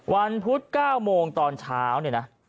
วันพุธ๙โมงตอนเช้าเนี่ยนะ